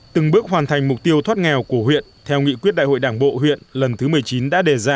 từng bước hoàn thành mục tiêu thoát nghèo của huyện theo nghị quyết đại hội đảng bộ huyện lần thứ một mươi chín đã đề ra